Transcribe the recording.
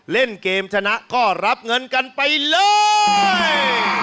เล่นเกมชนะก็รับเงินกันไปเลย